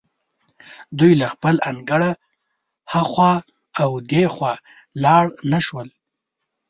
دوی له خپل انګړه هخوا او دېخوا لاړ نه شول.